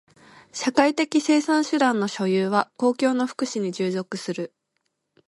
社会的生産手段の所有は公共の福祉に従属する。